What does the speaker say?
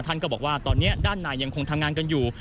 ท่านก็บอกว่าตอนนี้ด้านในยังคงทำงานกันอยู่